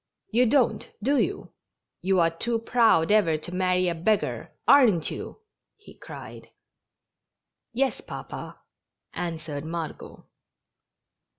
"You don't, do you? You are too proud ever to marry a beggar, aren't you?" he cried. "Yes, papa," answered Margot.